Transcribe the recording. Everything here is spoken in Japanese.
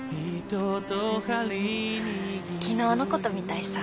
昨日のことみたいさ。